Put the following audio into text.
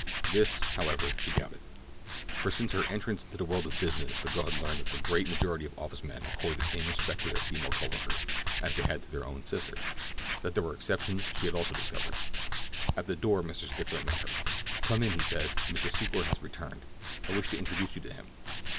This, however, she doubted; for since her entrance into the world of business the girl had learned that the great majority of office men accord the same respect to their female coworkers—as they do to their own sisters. That there were exceptions she had also discovered. At the door Mr. Stickler met her. "Come in," he said, "Mr. Secor has returned; I wish to introduce you to him."